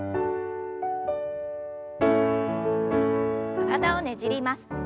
体をねじります。